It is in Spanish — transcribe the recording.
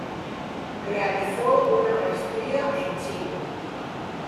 Realizó una maestría en Chile.